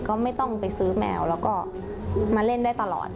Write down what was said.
ก็ไม่ต้องไปซื้อแมวแล้วก็มาเล่นได้ตลอด